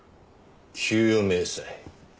給与明細。